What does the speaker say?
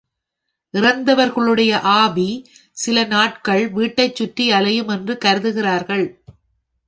இறந்தவர்களுடைய ஆவி சில நாட்கள் வீட்டைச் சுற்றி அலையும் என்று கருதுகிறார்கள்.